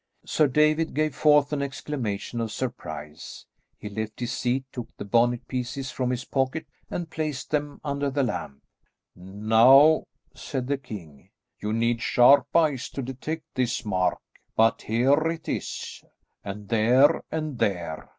Sir David gave forth an exclamation of surprise. He left his seat, took the bonnet pieces from his pocket and placed them under the lamp. "Now," said the king, "you need sharp eyes to detect this mark, but there it is, and there, and there.